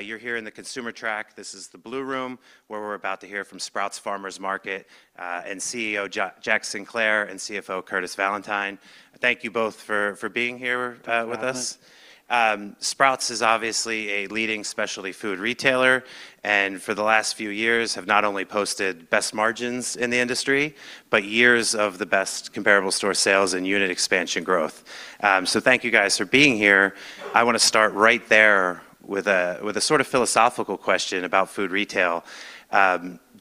You're here in the consumer track. This is the Blue Room, where we're about to hear from Sprouts Farmers Market, and CEO Jack Sinclair; and CFO Curtis Valentine. Thank you both for being here with us. Huh. Sprouts is obviously a leading specialty food retailer, and for the last few years have not only posted best margins in the industry, but years of the best comparable store sales and unit expansion growth. Thank you guys for being here. I wanna start right there with a sort of philosophical question about food retail.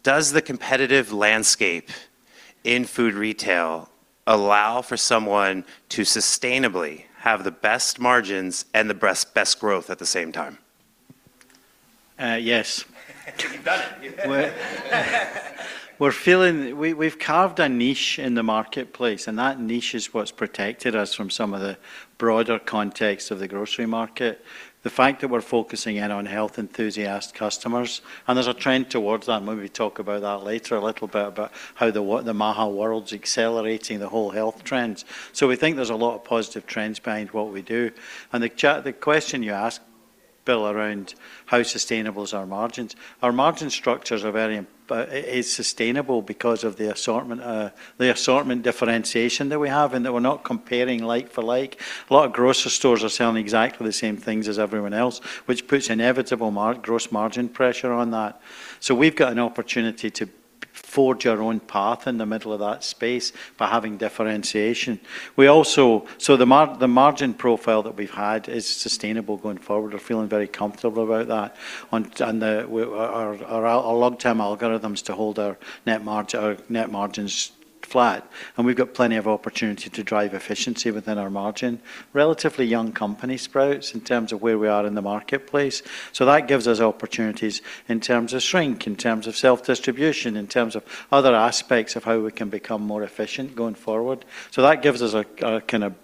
Does the competitive landscape in food retail allow for someone to sustainably have the best margins and the best growth at the same time? Yes. You've done it. We've carved a niche in the marketplace, and that niche is what's protected us from some of the broader context of the grocery market. The fact that we're focusing in on health enthusiast customers, and there's a trend towards that, and maybe we talk about that later a little bit about how the MAHA world's accelerating the whole health trends. We think there's a lot of positive trends behind what we do. The question you asked, Bill, around how sustainable is our margins. Our margin structures are sustainable because of the assortment differentiation that we have in that we're not comparing like for like. A lot of grocery stores are selling exactly the same things as everyone else, which puts inevitable gross margin pressure on that. We've got an opportunity to forge our own path in the middle of that space by having differentiation. We also the margin profile that we've had is sustainable going forward. We're feeling very comfortable about that. Our long-term algorithm's to hold our net margins flat, and we've got plenty of opportunity to drive efficiency within our margin. Relatively young company, Sprouts, in terms of where we are in the marketplace, so that gives us opportunities in terms of shrink, in terms of self-distribution, in terms of other aspects of how we can become more efficient going forward. That gives us a kind of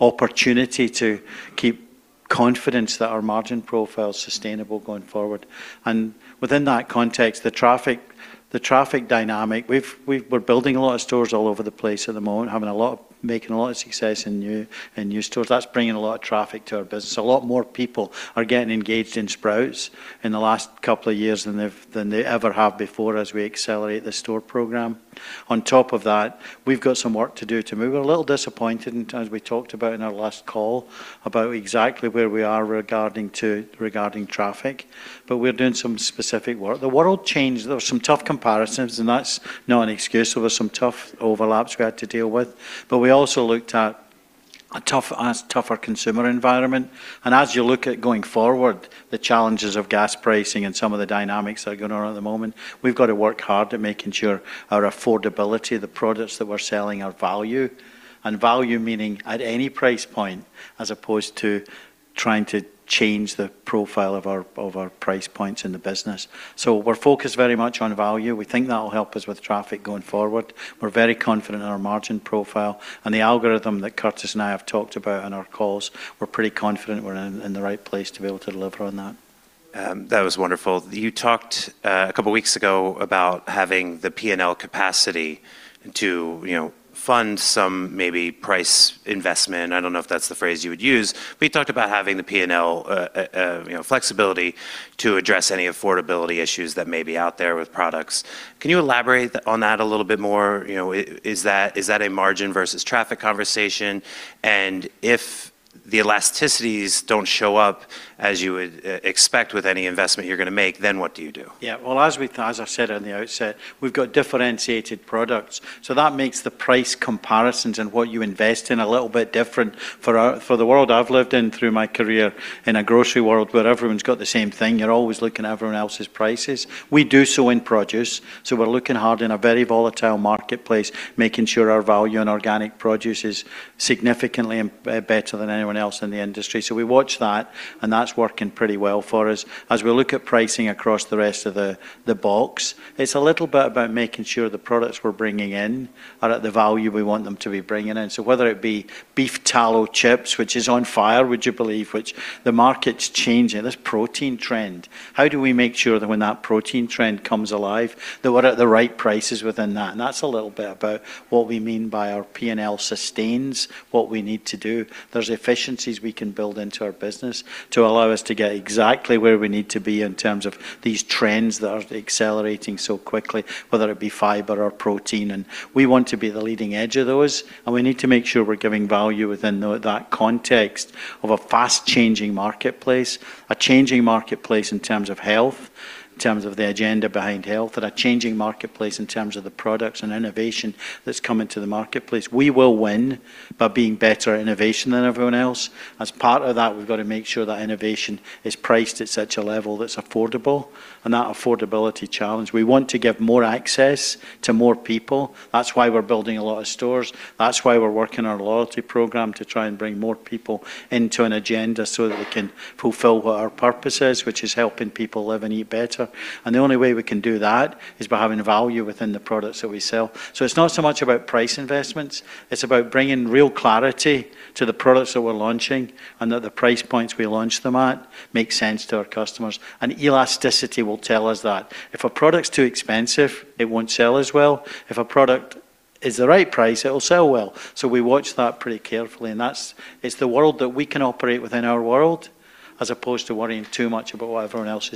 opportunity to keep confidence that our margin profile's sustainable going forward. Within that context, the traffic dynamic, we've We're building a lot of stores all over the place at the moment, making a lot of success in new stores. That's bringing a lot of traffic to our business. A lot more people are getting engaged in Sprouts in the last couple of years than they ever have before as we accelerate the store program. On top of that, we've got some work to do to move. We're a little disappointed in, as we talked about in our last call, about exactly where we are regarding traffic, but we're doing some specific work. The world changed. There were some tough comparisons, and that's not an excuse. There were some tough overlaps we had to deal with, but we also looked at a tougher consumer environment. As you look at going forward, the challenges of gas pricing and some of the dynamics that are going on at the moment, we've got to work hard at making sure our affordability, the products that we're selling, our value, and value meaning at any price point, as opposed to trying to change the profile of our price points in the business. We're focused very much on value. We think that'll help us with traffic going forward. We're very confident in our margin profile. The algorithm that Curtis and I have talked about on our calls, we're pretty confident we're in the right place to be able to deliver on that. That was wonderful. You talked a couple weeks ago about having the P&L capacity to, you know, fund some maybe price investment. I don't know if that's the phrase you would use. You talked about having the P&L, you know, flexibility to address any affordability issues that may be out there with products. Can you elaborate on that a little bit more? You know, is that a margin versus traffic conversation? And if the elasticities don't show up as you would expect with any investment you're gonna make, then what do you do? Yeah. Well, as I said on the outset, we've got differentiated products, so that makes the price comparisons and what you invest in a little bit different. For the world I've lived in through my career in a grocery world where everyone's got the same thing, you're always looking at everyone else's prices. We do so in produce, so we're looking hard in a very volatile marketplace, making sure our value and organic produce is significantly better than anyone else in the industry. We watch that, and that's working pretty well for us. As we look at pricing across the rest of the box, it's a little bit about making sure the products we're bringing in are at the value we want them to be bringing in. Whether it be beef tallow chips, which is on fire, would you believe? With the market's changing. This protein trend. How do we make sure that when that protein trend comes alive, that we're at the right prices within that? That's a little bit about what we mean by our P&L sustains what we need to do. There's efficiencies we can build into our business to allow us to get exactly where we need to be in terms of these trends that are accelerating so quickly, whether it be fiber or protein. We want to be the leading edge of those, and we need to make sure we're giving value within that context of a fast-changing marketplace, a changing marketplace in terms of health, in terms of the agenda behind health, and a changing marketplace in terms of the products and innovation that's coming to the marketplace. We will win by being better at innovation than everyone else. As part of that, we've got to make sure that innovation is priced at such a level that's affordable and that affordability challenge. We want to give more access to more people. That's why we're building a lot of stores. That's why we're working our loyalty program to try and bring more people into an agenda so that we can fulfill what our purpose is, which is helping people live and eat better. The only way we can do that is by having value within the products that we sell. It's not so much about price investments. It's about bringing real clarity to the products that we're launching and that the price points we launch them at make sense to our customers. Elasticity will tell us that. If a product's too expensive, it won't sell as well. If a product is the right price, it'll sell well. We watch that pretty carefully, and that's. It's the world that we can operate within our world, as opposed to worrying too much about what everyone else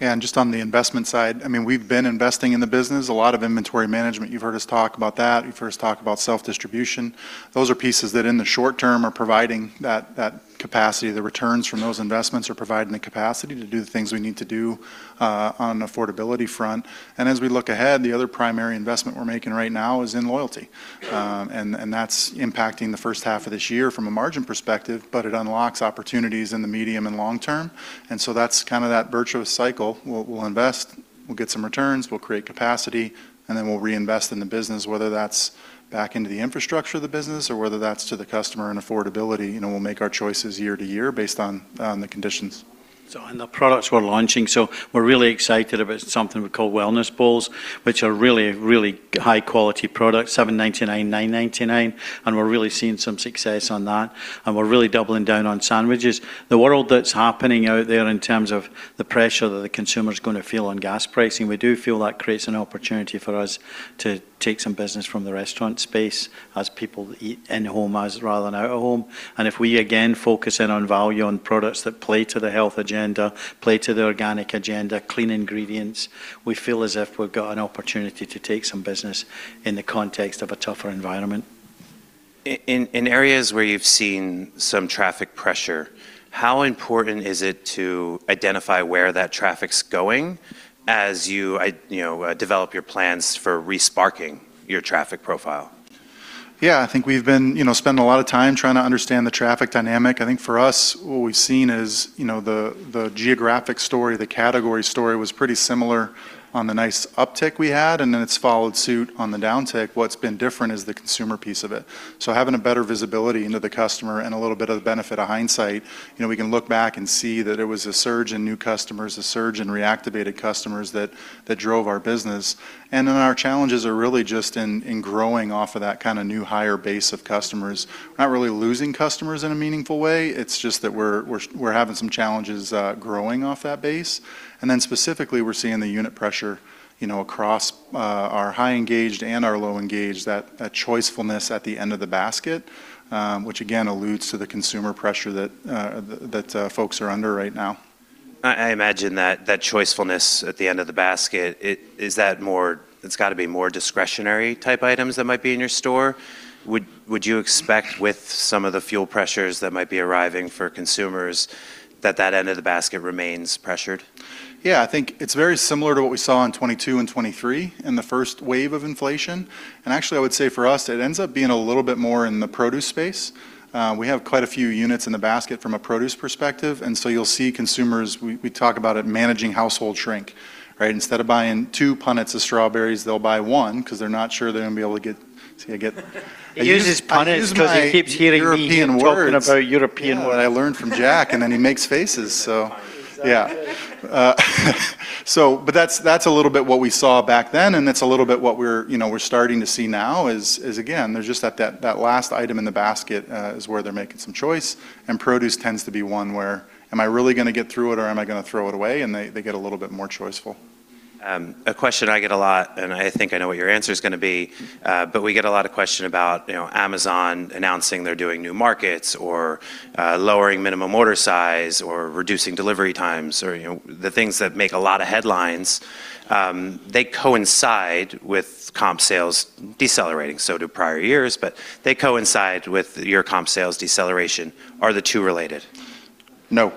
is doing. Yeah, just on the investment side, I mean, we've been investing in the business. A lot of inventory management, you've heard us talk about that. You first talked about self-distribution. Those are pieces that in the short term are providing that capacity. The returns from those investments are providing the capacity to do the things we need to do on affordability front. As we look ahead, the other primary investment we're making right now is in loyalty. And that's impacting the first half of this year from a margin perspective, but it unlocks opportunities in the medium and long term. That's kind of that virtuous cycle. We'll invest, we'll get some returns, we'll create capacity, and then we'll reinvest in the business, whether that's back into the infrastructure of the business or whether that's to the customer and affordability. You know, we'll make our choices year to year based on the conditions. The products we're launching. We're really excited about something we call Wellness Bowls, which are really, really high quality products, $7.99, $9.99, and we're really seeing some success on that, and we're really doubling down on sandwiches. The world that's happening out there in terms of the pressure that the consumer's gonna feel on gas pricing, we do feel that creates an opportunity for us to take some business from the restaurant space as people eat in-home as rather than out of home. If we again focus in on value, on products that play to the health agenda, play to the organic agenda, clean ingredients, we feel as if we've got an opportunity to take some business in the context of a tougher environment. In areas where you've seen some traffic pressure, how important is it to identify where that traffic's going as you know, develop your plans for re-sparking your traffic profile? Yeah, I think we've been, you know, spending a lot of time trying to understand the traffic dynamic. I think for us, what we've seen is, you know, the geographic story, the category story was pretty similar on the nice uptick we had, and then it's followed suit on the downtick. What's been different is the consumer piece of it. So having a better visibility into the customer and a little bit of the benefit of hindsight, you know, we can look back and see that it was a surge in new customers, a surge in reactivated customers that drove our business. And then our challenges are really just in growing off of that kind of new higher base of customers. We're not really losing customers in a meaningful way. It's just that we're having some challenges growing off that base. Specifically, we're seeing the unit pressure, you know, across our high engaged and our low engaged, that choicefulness at the end of the basket, which again alludes to the consumer pressure that folks are under right now. I imagine that choicefulness at the end of the basket, it's gotta be more discretionary type items that might be in your store. Would you expect with some of the fuel pressures that might be arriving for consumers that end of the basket remains pressured? Yeah, I think it's very similar to what we saw in 2022 and 2023 in the first wave of inflation. Actually, I would say for us, it ends up being a little bit more in the produce space. We have quite a few units in the basket from a produce perspective, and so we talk about it managing household shrink, right? Instead of buying two punnets of strawberries, they'll buy one because they're not sure they're gonna be able to get. He uses punnet because he keeps hearing me talking about European. What I learned from Jack, and then he makes faces, so yeah. That's a little bit what we saw back then, and it's a little bit what we're, you know, starting to see now is again, there's just that last item in the basket is where they're making some choice, and produce tends to be one where, am I really gonna get through it or am I gonna throw it away? They get a little bit more choiceful. A question I get a lot, and I think I know what your answer is gonna be, but we get a lot of questions about, you know, Amazon announcing they're doing new markets or, lowering minimum order size or reducing delivery times or, you know, the things that make a lot of headlines. They coincide with comp sales decelerating. Do prior years, but they coincide with your comp sales deceleration. Are the two related? No.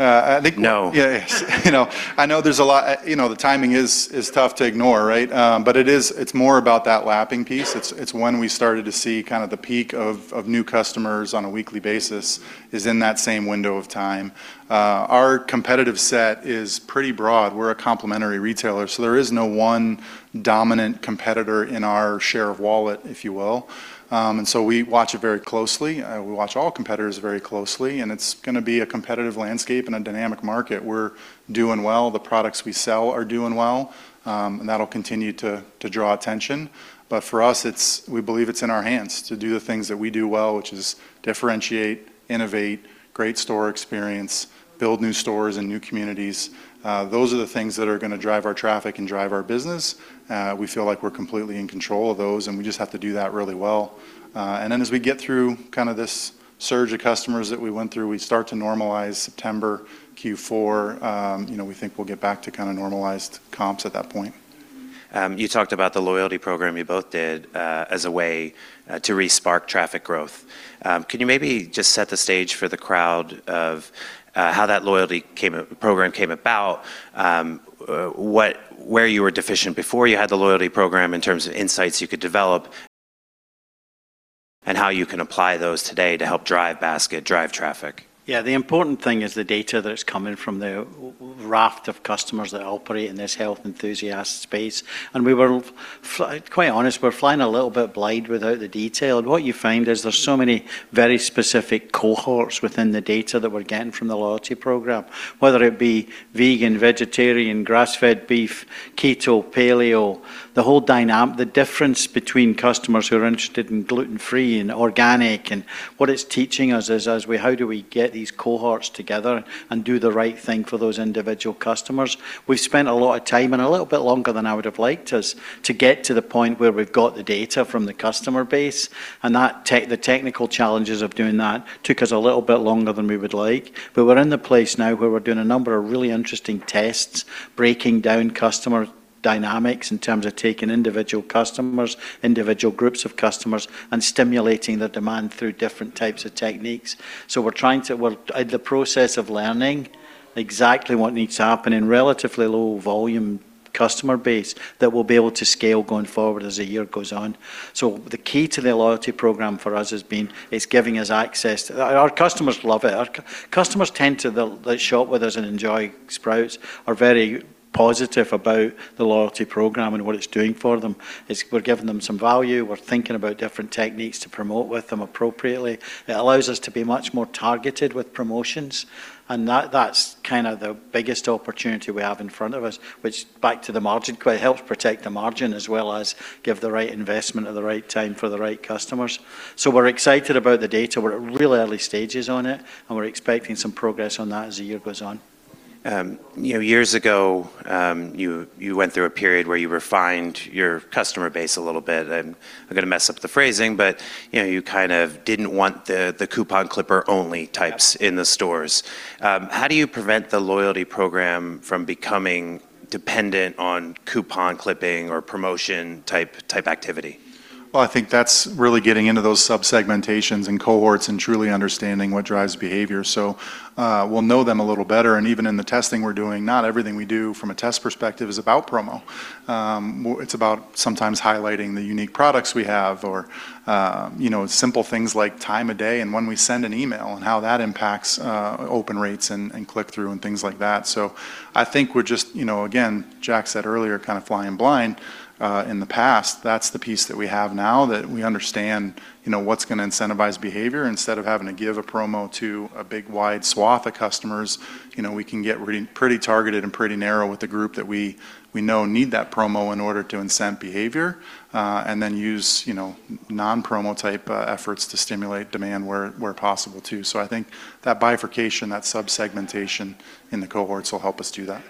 I think. No. Yes. You know, I know there's a lot, you know, the timing is tough to ignore, right? But it is. It's more about that lapping piece. It's when we started to see kind of the peak of new customers on a weekly basis is in that same window of time. Our competitive set is pretty broad. We're a complementary retailer, so there is no one dominant competitor in our share of wallet, if you will. We watch it very closely. We watch all competitors very closely, and it's gonna be a competitive landscape and a dynamic market. We're doing well. The products we sell are doing well, and that'll continue to draw attention. For us, we believe it's in our hands to do the things that we do well, which is differentiate, innovate, great store experience, build new stores and new communities. Those are the things that are gonna drive our traffic and drive our business. We feel like we're completely in control of those, and we just have to do that really well. Then as we get through kind of this surge of customers that we went through, we start to normalize September Q4, we think we'll get back to kind of normalized comps at that point. You talked about the loyalty program, you both dis, as a way to re-spark traffic growth. Can you maybe just set the stage for the crowd of how that loyalty program came about, where you were deficient before you had the loyalty program in terms of insights you could develop? How you can apply those today to help drive basket, drive traffic. Yeah, the important thing is the data that's coming from the raft of customers that operate in this health enthusiast space. We were quite honest, we're flying a little bit blind without the detail. What you find is there's so many very specific cohorts within the data that we're getting from the loyalty program, whether it be vegan, vegetarian, grass-fed beef, keto, paleo, the difference between customers who are interested in gluten-free and organic. What it's teaching us is, as we, how do we get these cohorts together and do the right thing for those individual customers? We've spent a lot of time, and a little bit longer than I would have liked us, to get to the point where we've got the data from the customer base and that the technical challenges of doing that took us a little bit longer than we would like. We're in the place now where we're doing a number of really interesting tests, breaking down customer dynamics in terms of taking individual customers, individual groups of customers, and stimulating the demand through different types of techniques. We're trying to. We're in the process of learning exactly what needs to happen in relatively low volume customer base that we'll be able to scale going forward as the year goes on. The key to the loyalty program for us has been, it's giving us access. Our customers love it. Our customers tend to. That shop with us and enjoy Sprouts are very positive about the loyalty program and what it's doing for them. It's. We're giving them some value. We're thinking about different techniques to promote with them appropriately. It allows us to be much more targeted with promotions, and that's kind of the biggest opportunity we have in front of us, which back to the margin, quite helps protect the margin as well as give the right investment at the right time for the right customers. We're excited about the data. We're at real early stages on it, and we're expecting some progress on that as the year goes on. You know, years ago, you went through a period where you refined your customer base a little bit, and I'm gonna mess up the phrasing, but, you know, you kind of didn't want the coupon clipper only types. Yes. In the stores. How do you prevent the loyalty program from becoming dependent on coupon clipping or promotion type activity? Well, I think that's really getting into those sub-segmentations and cohorts and truly understanding what drives behavior. We'll know them a little better. Even in the testing we're doing, not everything we do from a test perspective is about promo. It's about sometimes highlighting the unique products we have or, you know, simple things like time of day and when we send an email and how that impacts open rates and click-through and things like that. I think we're just, you know, again, Jack said earlier, kind of flying blind in the past. That's the piece that we have now that we understand, you know, what's gonna incentivize behavior. Instead of having to give a promo to a big wide swath of customers, you know, we can get really pretty targeted and pretty narrow with the group that we know need that promo in order to incent behavior, and then use, you know, non-promo type efforts to stimulate demand where possible too. I think that bifurcation, that sub-segmentation in the cohorts will help us do that.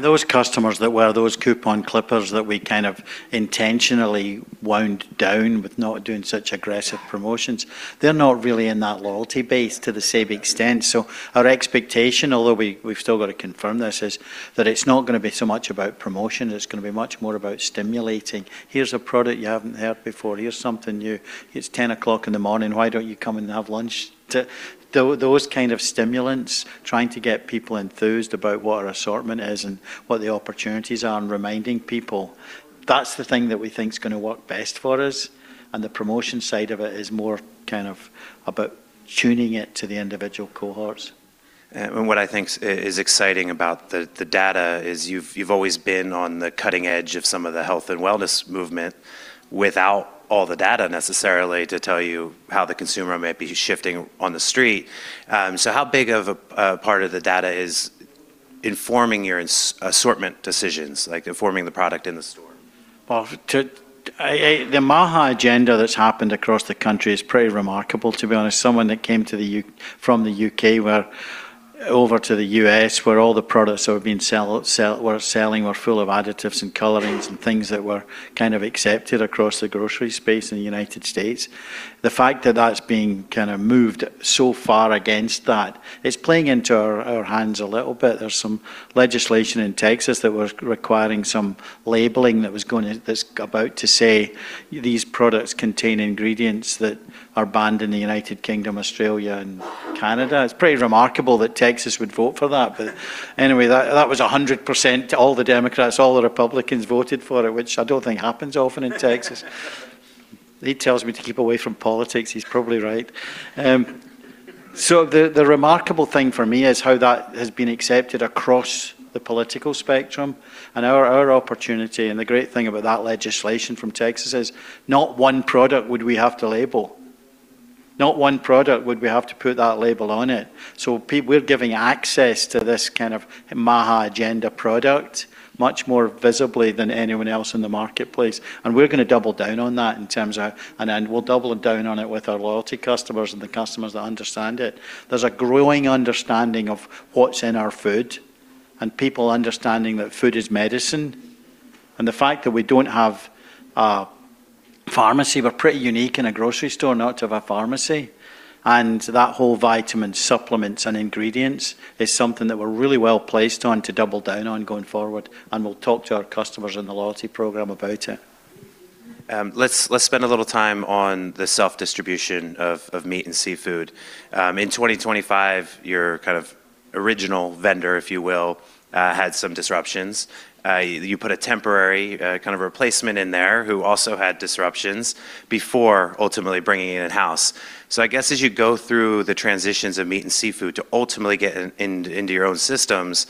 Those customers that were those coupon clippers that we kind of intentionally wound down with not doing such aggressive promotions, they're not really in that loyalty base to the same extent. Our expectation, although we've still got to confirm this, is that it's not gonna be so much about promotion, it's gonna be much more about stimulating. "Here's a product you haven't heard before. Here's something new. It's 10 o'clock in the morning why don't you come and have lunch?" To those kind of stimulants, trying to get people enthused about what our assortment is and what the opportunities are and reminding people, that's the thing that we think is gonna work best for us. The promotion side of it is more kind of about tuning it to the individual cohorts. What I think is exciting about the data is you've always been on the cutting edge of some of the health and wellness movement without all the data necessarily to tell you how the consumer might be shifting on the street. How big of a part of the data is informing your assortment decisions, like informing the product in the store? The MAHA agenda that's happened across the country is pretty remarkable, to be honest. Someone that came to the U.S. from the U.K. where over to the U.S., where all the products that were being sold were full of additives and colorings and things that were kind of accepted across the grocery space in the United States. The fact that that's been kind of moved so far against that, it's playing into our hands a little bit. There's some legislation in Texas that was requiring some labeling that's about to say these products contain ingredients that are banned in the United Kingdom, Australia, and Canada. It's pretty remarkable that Texas would vote for that. Anyway, that was 100%, all the Democrats, all the Republicans voted for it, which I don't think happens often in Texas. He tells me to keep away from politics. He's probably right. The remarkable thing for me is how that has been accepted across the political spectrum and our opportunity. The great thing about that legislation from Texas is not one product would we have to label. Not one product would we have to put that label on it. We're giving access to this kind of MAHA agenda product much more visibly than anyone else in the marketplace. We're gonna double down on that in terms of. We'll double down on it with our loyalty customers and the customers that understand it. There's a growing understanding of what's in our food and people understanding that food is medicine, and the fact that we don't have a pharmacy. We're pretty unique in a grocery store not to have a pharmacy. That whole vitamin supplements and ingredients is something that we're really well placed on to double down on going forward, and we'll talk to our customers in the loyalty program about it. Let's spend a little time on the self-distribution of meat and seafood. In 2025, your original vendor, if you will, had some disruptions. You put a temporary kind of replacement in there who also had disruptions before ultimately bringing it in-house. I guess as you go through the transitions of meat and seafood to ultimately get in into your own systems,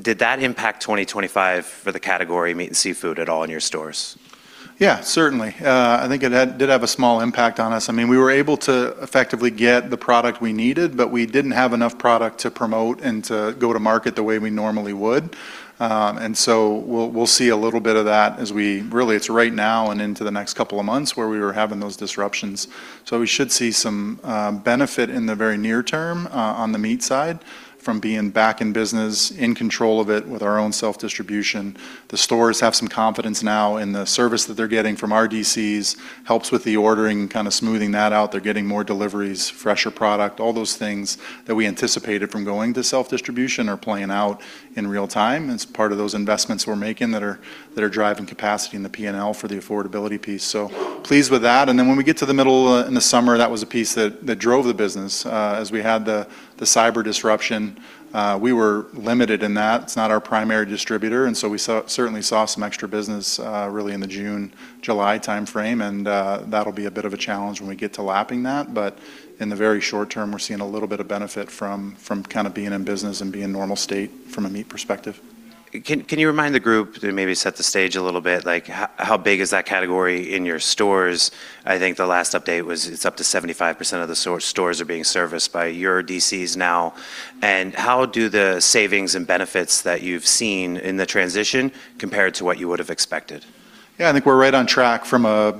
did that impact 2025 for the category meat and seafood at all in your stores? Yeah, certainly. I think it did have a small impact on us. I mean, we were able to effectively get the product we needed, but we didn't have enough product to promote and to go-to-market the way we normally would. We'll see a little bit of that right now and into the next couple of months where we were having those disruptions. We should see some benefit in the very near term on the meat side from being back in business, in control of it with our own self-distribution. The stores have some confidence now in the service that they're getting from our DCs, helps with the ordering, kinda smoothing that out. They're getting more deliveries, fresher product. All those things that we anticipated from going to self-distribution are playing out in real time, and it's part of those investments we're making that are driving capacity in the P&L for the affordability piece. Pleased with that. Then when we get to the middle, in the summer, that was a piece that drove the business. As we had the cyber disruption, we were limited in that. It's not our primary distributor, and so we certainly saw some extra business, really in the June-July timeframe, and that'll be a bit of a challenge when we get to lapping that. In the very short term, we're seeing a little bit of benefit from kind of being in business and being normal state from a meat perspective. Can you remind the group to maybe set the stage a little bit? Like how big is that category in your stores? I think the last update was it's up to 75% of the stores are being serviced by your DCs now. How do the savings and benefits that you've seen in the transition compare to what you would have expected? Yeah, I think we're right on track from a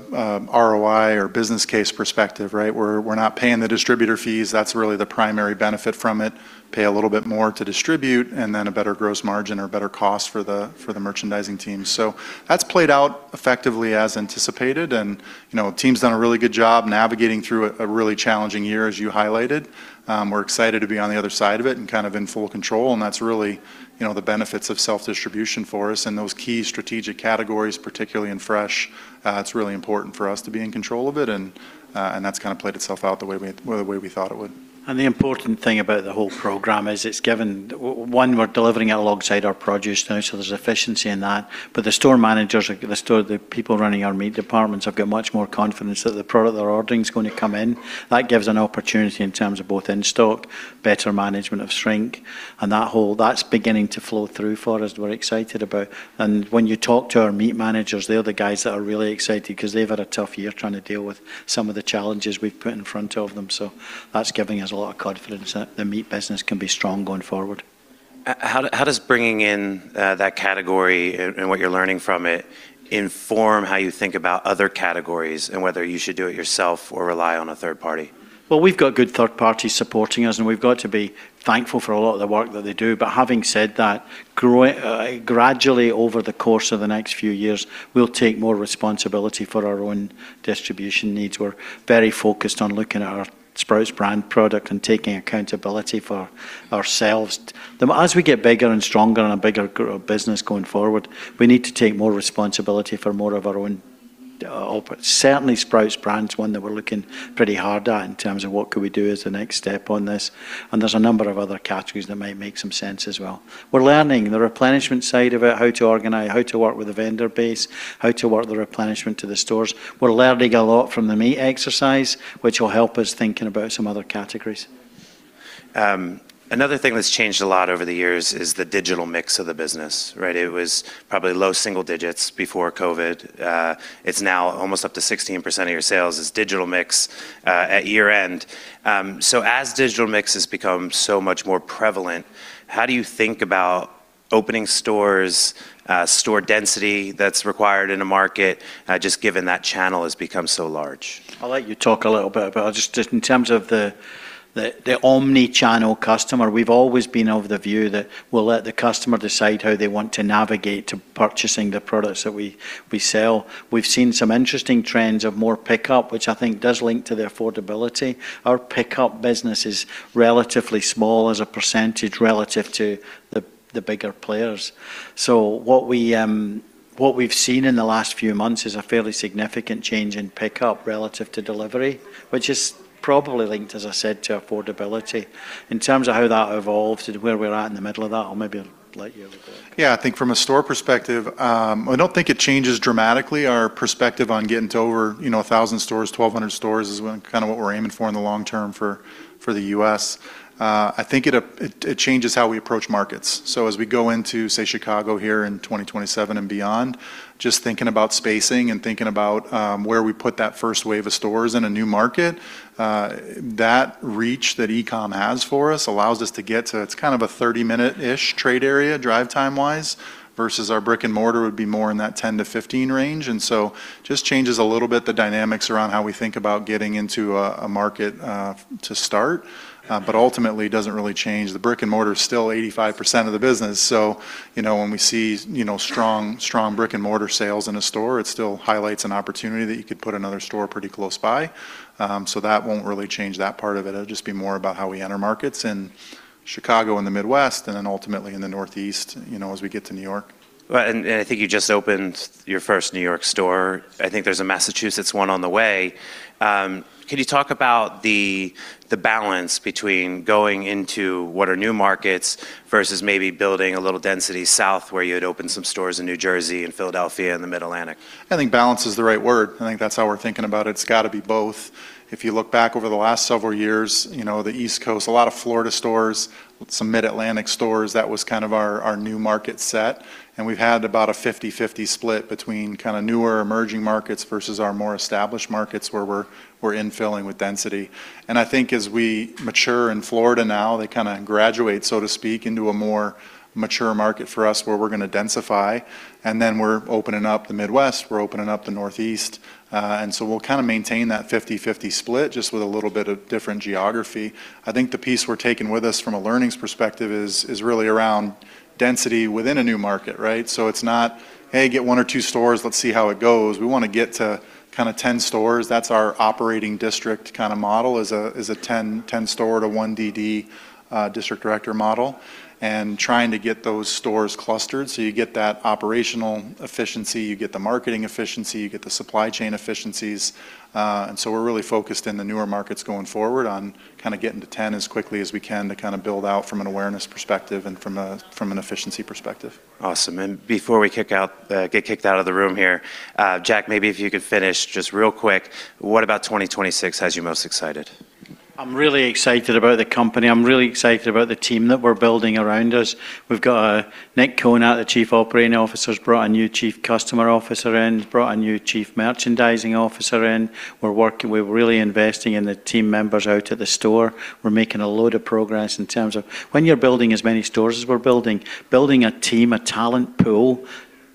ROI or business case perspective, right? We're not paying the distributor fees. That's really the primary benefit from it. Pay a little bit more to distribute and then a better gross margin or better cost for the merchandising team. That's played out effectively as anticipated and, you know, team's done a really good job navigating through a really challenging year as you highlighted. We're excited to be on the other side of it and kind of in full control, and that's really, you know, the benefits of self-distribution for us and those key strategic categories, particularly in fresh, it's really important for us to be in control of it and and that's kind of played itself out the way we thought it would. The important thing about the whole program is it's given, we're delivering it alongside our produce now, so there's efficiency in that. The store managers, the store, the people running our meat departments have got much more confidence that the product they're ordering is gonna come in. That gives an opportunity in terms of both in-stock, better management of shrink, and that whole that's beginning to flow through for us. We're excited about. When you talk to our meat managers, they're the guys that are really excited because they've had a tough year trying to deal with some of the challenges we've put in front of them. That's giving us a lot of confidence that the meat business can be strong going forward. How does bringing in that category and what you're learning from it inform how you think about other categories and whether you should do it yourself or rely on a third party? Well, we've got good third parties supporting us, and we've got to be thankful for a lot of the work that they do. Having said that, gradually over the course of the next few years, we'll take more responsibility for our own distribution needs. We're very focused on looking at our Sprouts Brand product and taking accountability for ourselves. As we get bigger and stronger and a bigger business going forward, we need to take more responsibility for more of our own, certainly Sprouts Brand's one that we're looking pretty hard at in terms of what could we do as the next step on this. There's a number of other categories that might make some sense as well. We're learning the replenishment side of it, how to organize, how to work with the vendor base, how to work the replenishment to the stores. We're learning a lot from the meat exercise, which will help us thinking about some other categories. Another thing that's changed a lot over the years is the digital mix of the business, right? It was probably low single digits before COVID. It's now almost up to 16% of your sales is digital mix at year-end. As digital mix has become so much more prevalent, how do you think about opening stores, store density that's required in a market, just given that channel has become so large? I'll let you talk a little bit, but just in terms of the omni-channel customer, we've always been of the view that we'll let the customer decide how they want to navigate to purchasing the products that we sell. We've seen some interesting trends of more pickup, which I think does link to the affordability. Our pickup business is relatively small as a percentage relative to the bigger players. What we've seen in the last few months is a fairly significant change in pickup relative to delivery, which is probably linked, as I said, to affordability. In terms of how that evolves and where we're at in the middle of that, I'll maybe let you have a go. Yeah, I think from a store perspective, I don't think it changes dramatically our perspective on getting to over, you know, 1,000 stores, 1,200 stores is kind of what we're aiming for in the long term for the U.S. I think it changes how we approach markets. As we go into, say, Chicago here in 2027 and beyond, just thinking about spacing and thinking about where we put that first wave of stores in a new market, that reach that e-commerce has for us allows us to get to, it's kind of a 30-minute-ish trade area, drive time wise, versus our brick and mortar would be more in that 10-15 range. Just changes a little bit the dynamics around how we think about getting into a market to start, but ultimately doesn't really change. The brick and mortar is still 85% of the business, so you know when we see you know strong brick and mortar sales in a store, it still highlights an opportunity that you could put another store pretty close by. That won't really change that part of it. It'll just be more about how we enter markets in Chicago and the Midwest, and then ultimately in the Northeast, you know, as we get to New York. Well, I think you just opened your first New York store. I think there's a Massachusetts one on the way. Could you talk about the balance between going into what are new markets versus maybe building a little density south, where you had opened some stores in New Jersey and Philadelphia and the Mid-Atlantic? I think balance is the right word. I think that's how we're thinking about it. It's gotta be both. If you look back over the last several years, you know, the East Coast, a lot of Florida stores, some Mid-Atlantic stores, that was kind of our new market set, and we've had about a 50/50 split between kinda newer emerging markets versus our more established markets where we're infilling with density. I think as we mature in Florida now, they kinda graduate, so to speak, into a more mature market for us where we're gonna densify, and then we're opening up the Midwest, we're opening up the Northeast. We'll kinda maintain that 50/50 split just with a little bit of different geography. I think the piece we're taking with us from a learnings perspective is really around density within a new market, right? It's not, "Hey, get one or two stores. Let's see how it goes." We wanna get to kinda 10 stores. That's our operating district kinda model is a 10- to one DD, district director model, and trying to get those stores clustered so you get that operational efficiency, you get the marketing efficiency, you get the supply chain efficiencies. We're really focused in the newer markets going forward on kinda getting to 10 as quickly as we can to kinda build out from an awareness perspective and from an efficiency perspective. Awesome. Before we get kicked out of the room here, Jack, maybe if you could finish just real quick, what about 2026 has you most excited? I'm really excited about the company. I'm really excited about the team that we're building around us. We've got Nick Konat, the Chief Operating Officer, who's brought a new Chief Customer Officer in. He's brought a new Chief Merchandising Officer in. We're really investing in the team members out at the store. We're making a lot of progress in terms of when you're building as many stores as we're building a team, a talent pool,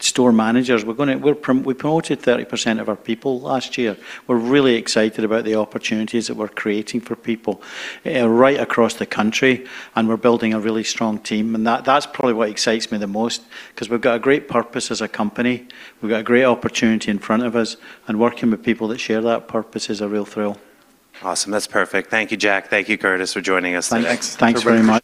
store managers. We promoted 30% of our people last year. We're really excited about the opportunities that we're creating for people right across the country, and we're building a really strong team, and that's probably what excites me the most, 'cause we've got a great purpose as a company. We've got a great opportunity in front of us, and working with people that share that purpose is a real thrill. Awesome. That's perfect. Thank you, Jack. Thank you, Curtis, for joining us today. Thanks. Thanks very much.